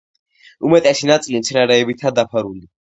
უმეტესი ნაწილი მცენარეებითაა დაფარული.